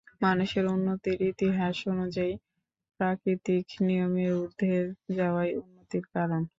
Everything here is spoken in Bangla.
মানুষের উন্নতির ইতিহাস অনুযায়ী প্রাকৃতিক নিয়মের ঊর্ধ্বে যাওয়াই উন্নতির কারণ।